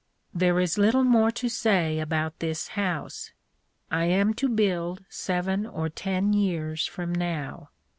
There is little more to say about this house. I am to build seven or ten years from now.